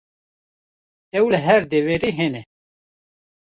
Ew li her deverê hene.